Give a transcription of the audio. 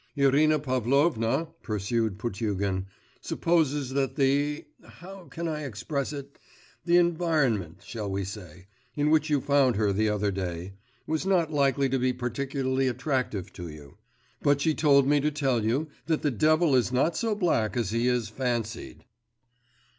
'Irina Pavlovna,' pursued Potugin, 'supposes that the ... how can I express it ... the environment, shall we say, in which you found her the other day, was not likely to be particularly attractive to you; but she told me to tell you, that the devil is not so black as he is fancied.